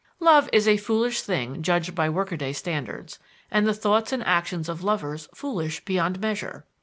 Love is a foolish thing judged by workaday standards, and the thoughts and actions of lovers foolish beyond measure.